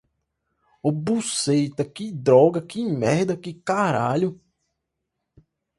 O buceta, que droga, que merda, que caralho